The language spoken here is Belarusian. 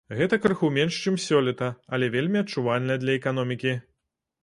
Гэта крыху менш, чым сёлета, але вельмі адчувальна для эканомікі.